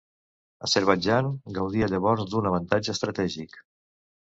Azerbaidjan gaudia llavors d'un avantatge estratègic.